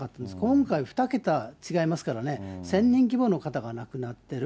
今回は２桁違いますからね、１０００人規模の方が亡くなってる。